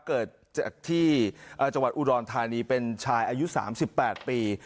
เกิดจากที่จังหวัดอุดรธานีเป็นชายอายุ๓๘ปี